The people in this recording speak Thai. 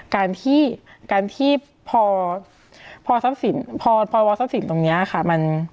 การที่พอวัวทรัพย์ศิลป์ตรงเนี่ยค่ะ